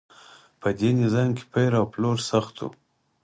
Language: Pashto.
په دې نظام کې پیر او پلور سخت و.